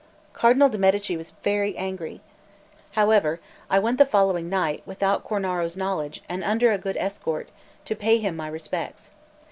Cardinal de' Medici was very angry. However, I went the following night, without Cornaro's knowledge, and under good escort, to pay him my respects.